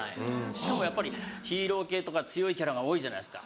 しかもやっぱりヒーロー系とか強いキャラが多いじゃないですか。